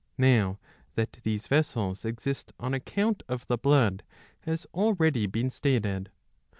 Now that these vessels exist on account of the blood has already been stated.